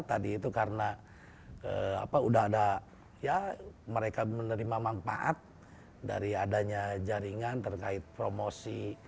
tadi itu karena mereka menerima manfaat dari adanya jaringan terkait promosi